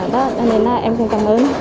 đó nên là em xin cảm ơn